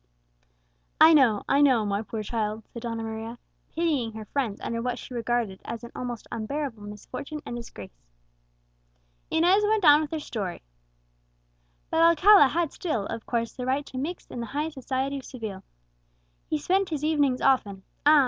"I know, I know, my poor child," said Donna Maria, pitying her friends under what she regarded as an almost unbearable misfortune and disgrace. Inez went on with her story. "But Alcala had still, of course, the right to mix in the highest society of Seville. He spent his evenings often ah!